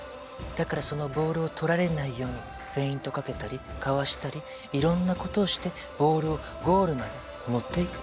だからそのボールを取られないようにフェイントかけたりかわしたりいろんなことをしてボールをゴールまで持っていくの。